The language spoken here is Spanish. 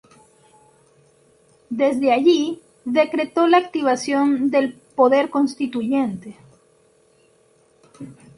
Desde allí decretó la activación del "Poder Constituyente".